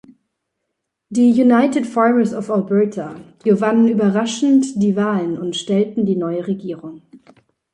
Die United Farmers of Alberta gewannen überraschend die Wahlen und stellten die neue Regierung.